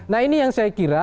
nah ini yang saya kira